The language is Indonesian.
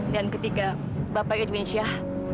dan ketika bapak irwin syah